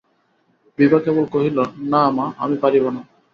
বিভা কেবল কহিল, না মা, আমি পারিব না।